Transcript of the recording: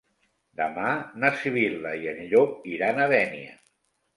Demà na Sibil·la i en Llop iran a Dénia.